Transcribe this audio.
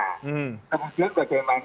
kemudian bagaimana aplikasi sila kelima